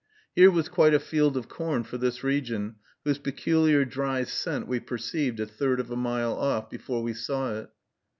Here was quite a field of corn for this region, whose peculiar dry scent we perceived a third of a mile off, before we saw it.